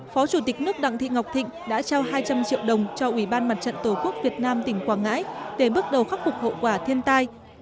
phó chủ tịch nước đặng thị ngọc thịnh đã trao hai trăm linh triệu đồng cho ủy ban mặt trận tổ quốc việt nam tỉnh quảng ngãi để bước đầu khắc phục hậu quả thiên tai